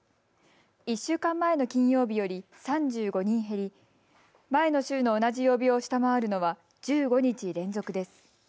１週間前の金曜日より３５人減り、前の週の同じ曜日を下回るのは１５日連続です。